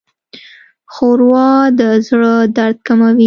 ښوروا د زړه درد کموي.